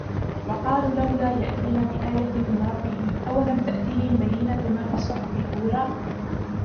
وقالوا لولا يأتينا بآية من ربه أولم تأتهم بينة ما في الصحف الأولى